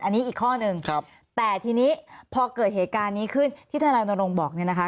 อันนี้อีกข้อนึงแต่ทีนี้พอเกิดเหตุการณ์นี้ขึ้นที่ธนาโรงบอกนะคะ